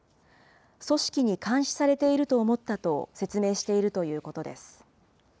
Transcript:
組織に監視されていると思ったと説明しているということです。